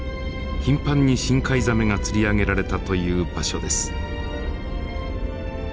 頻繁に深海ザメが釣り上げられたという場所です。